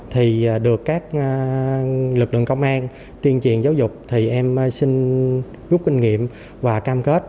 thì được các lực lượng công an tuyên truyền giáo dục thì em xin rút kinh nghiệm và cam kết